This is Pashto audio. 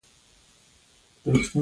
بزګر د سولې پیام راوړونکی دی